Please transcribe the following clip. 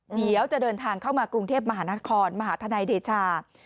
เดี๋ยวจะเดินทางเข้ามากรุงเทพมหานครมหาธนายเดชา